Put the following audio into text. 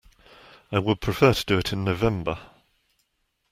I would prefer to do it in November.